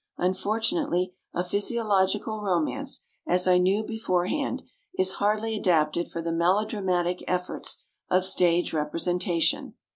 Unfortunately, a physiological romance, as I knew beforehand, is hardly adapted for the melodramatic efforts of stage representation.